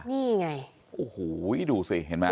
นี่ไงโอ้โหดูสิเห็นไหม